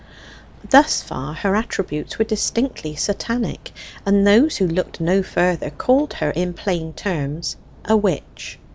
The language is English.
Thus far her attributes were distinctly Satanic; and those who looked no further called her, in plain terms, a witch.